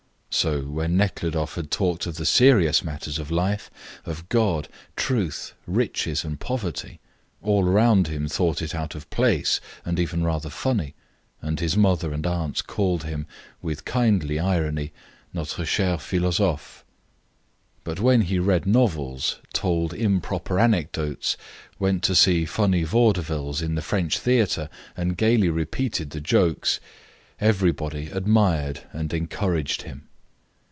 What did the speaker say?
So, when Nekhludoff had talked of the serious matters of life, of God, truth, riches, and poverty, all round him thought it out of place and even rather funny, and his mother and aunts called him, with kindly irony, notre cher philosophe. But when he read novels, told improper anecdotes, went to see funny vaudevilles in the French theatre and gaily repeated the jokes, everybody admired and encouraged him.